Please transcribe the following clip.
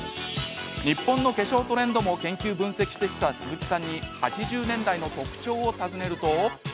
日本の化粧トレンドも研究、分析してきた鈴木さんに８０年代の特徴を尋ねると。